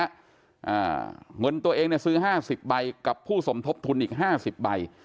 อ่าเงินตัวเองเนี่ยซื้อห้าสิบใบกับผู้สมทบทุนอีกห้าสิบใบ